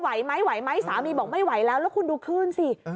ไหวไหมไหวไหมสามีบอกไม่ไหวแล้วแล้วคุณดูคลื่นสิ